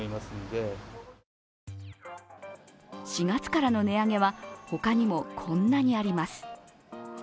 ４月からの値上げは、他にもこんなにあります。